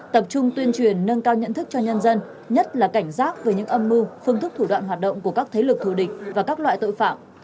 tập trung tuyên truyền nâng cao nhận thức cho nhân dân nhất là cảnh giác về những âm mưu phương thức thủ đoạn hoạt động của các thế lực thù địch và các loại tội phạm